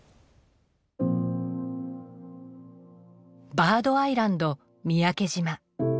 バードアイランド三宅島。